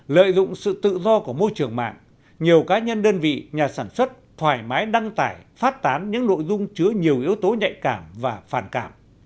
lợi dụng sự tự do của môi trường mạng nhiều cá nhân đơn vị nhà sản xuất thoải mái đăng tải phát tán những nội dung chứa nhiều yếu tố nhạy cảm và phản cảm